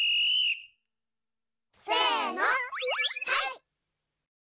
せのはい！